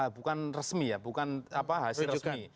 bukan resmi ya bukan hasil resmi